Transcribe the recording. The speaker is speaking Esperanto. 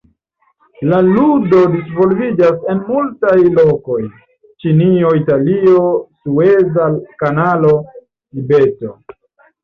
La ludo disvolviĝas en multaj lokoj: Ĉinio, Italio, sueza kanalo, Tibeto.